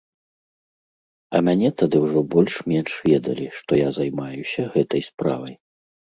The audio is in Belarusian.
А мяне тады ўжо больш-менш ведалі, што я займаюся гэтай справай.